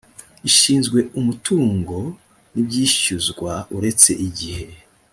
ishinzwe umutungo n ibyishyuzwa uretse igihe